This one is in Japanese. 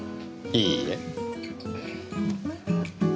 いいえ。